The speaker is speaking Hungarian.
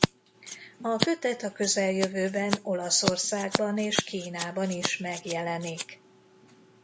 A kötet a közeljövőben Olaszországban és Kínában is megjelenik.